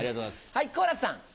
はい好楽さん。